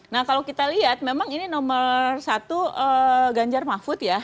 nah kalau kita lihat memang ini nomor satu ganjar mahfud ya